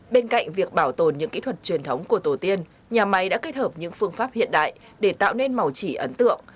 bên cạnh việc bảo tồn những kỹ thuật truyền thống của tổ tiên nhà máy đã kết hợp những phương pháp hiện đại để tạo nên màu chỉ ấn tượng